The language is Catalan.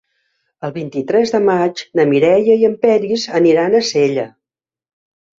El vint-i-tres de maig na Mireia i en Peris aniran a Sella.